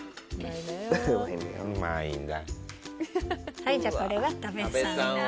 はいじゃあこれは多部さんの。